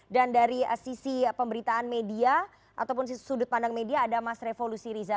dan dari sisi pemberitaan media ataupun sudut pandang media ada mas revo lusi riza